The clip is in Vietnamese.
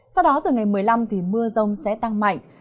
sau đó từ ngày một mươi năm thì mưa rông sẽ tăng mạnh